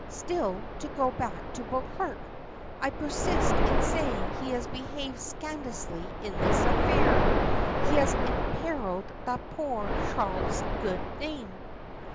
Still, to go back to Beauclerk. I persist in saying he has behaved scandalously in this affair. He has imperilled that poor child's good name."